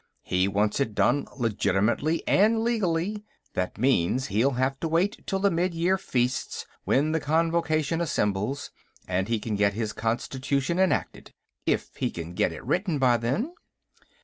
He wants it done legitimately and legally. That means, he'll have to wait till the Midyear Feasts, when the Convocation assembles, and he can get his constitution enacted. If he can get it written by then."